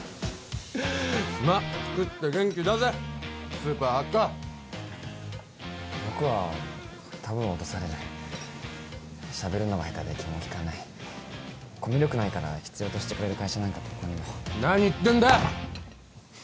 まっ食って元気出せスーパーハッカー僕はたぶん落とされるしゃべるのが下手で気も利かないコミュ力ないから必要としてくれる会社なんかどこにも何言ってんだ！